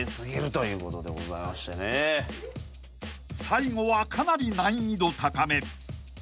［最後はかなり難易度高め］